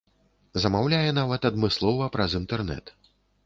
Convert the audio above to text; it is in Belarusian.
Замаўляе нават адмыслова праз інтэрнэт.